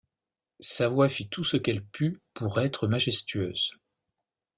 Sa voix fit tout ce qu’elle put pour être majestueuse.